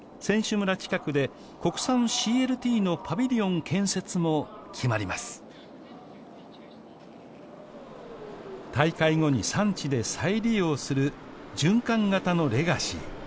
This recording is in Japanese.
村近くで国産ＣＬＴのパビリオン建設も決まります大会後に産地で再利用する循環型のレガシー